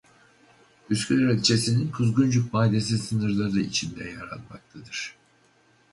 Üsküdar ilçesinin Kuzguncuk mahallesi sınırları içinde yer almaktadır.